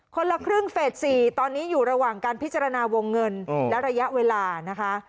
คนละครึ่งเฟส๔ตอนนี้อยู่ระหว่างการพิจารณาวงเงินและระยะเวลานะคะ